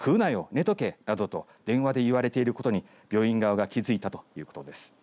寝とけなどと電話で言われていることに病院側が気付いたということです。